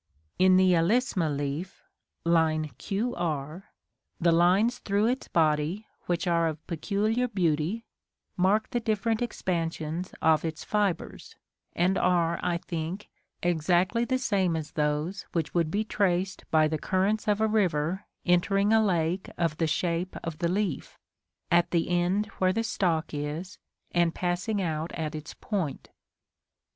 In the Alisma leaf, q r, the lines through its body, which are of peculiar beauty, mark the different expansions of its fibres, and are, I think, exactly the same as those which would be traced by the currents of a river entering a lake of the shape of the leaf, at the end where the stalk is, and passing out at its point.